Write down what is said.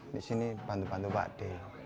di sini bantu bantu pak d